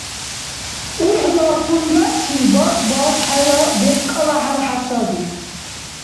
УрхӀла хьунрачил бархбас хӀела бебкӀала хӀярхӀя саби.